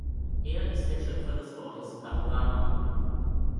Er ist der Schöpfer des Wortes "Panorama".